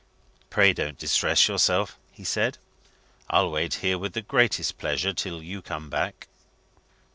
"Pray don't distress yourself," he said. "I'll wait here with the greatest pleasure till you come back."